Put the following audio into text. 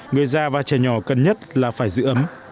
người già và trẻ nhỏ cần nhất là phải giữ ấm